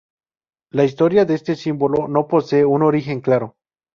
La historia de este símbolo no posee un origen claro.